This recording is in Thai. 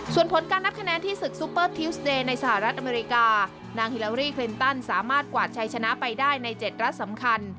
ส่วนผลการนับคะแนนที่ศึกซูเปอร์ทิวสเดย์ในสหรัฐอเมริกานางฮิลารี่คลินตันสามารถกวาดชัยชนะไปได้ใน๗รัฐสำคัญ